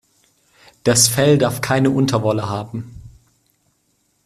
Das Fell darf keine Unterwolle haben.